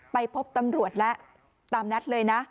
ไปพบตำรวจแล้วตามนัดเลยนะ